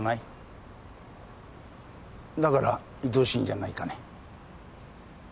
だから愛しいんじゃないかね？